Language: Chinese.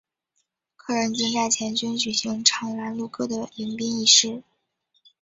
客人进寨前均举行唱拦路歌的迎宾仪式。